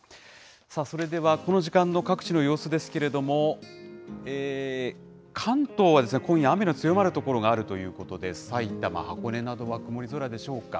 さあそれでは、この時間の各地の様子ですけれども、関東は今夜、雨の強まる所があるということで、埼玉、箱根などは曇り空でしょうか。